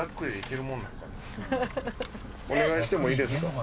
お願いしてもいいですか？